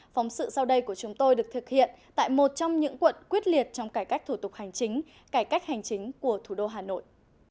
phóng sự sau đây của chúng tôi được thực hiện tại một trong những quận quyết liệt trong cải cách thủ tục hành chính cải cách hành chính của thủ đô hà nội